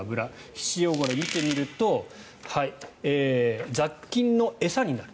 皮脂汚れを見てみると雑菌の餌になる。